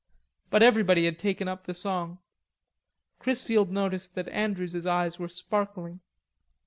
But everybody had taken up the song. Chrisfield noticed that Andrews's eyes were sparkling.